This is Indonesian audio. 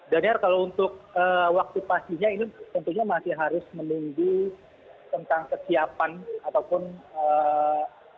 daniel kalau untuk waktu pastinya ini tentunya masih harus menunggu tentang kesiapan ataupun eee